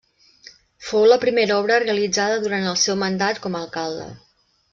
Fou la primera obra realitzada durant el seu mandat com alcalde.